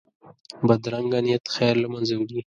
بدرنګه نیت خیر له منځه وړي